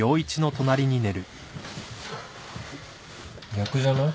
逆じゃない？